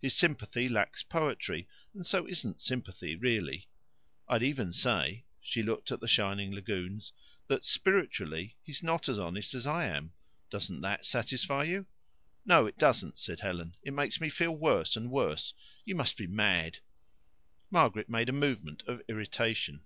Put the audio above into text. His sympathy lacks poetry, and so isn't sympathy really. I'd even say" she looked at the shining lagoons "that, spiritually, he's not as honest as I am. Doesn't that satisfy you?" "No, it doesn't," said Helen. "It makes me feel worse and worse. You must be mad." Margaret made a movement of irritation.